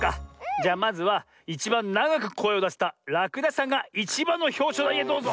じゃあまずはいちばんながくこえをだせたらくだしさんがいちばんのひょうしょうだいへどうぞ。